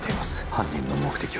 犯人の目的は。